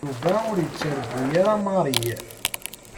Yuba ur yettargu ara Mary.